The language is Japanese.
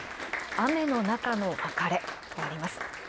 「雨の中の別れ」とあります。